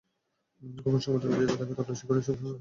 গোপন সংবাদের ভিত্তিতে তাঁকে তল্লাশি করে এসব সোনা জব্দ করা হয়।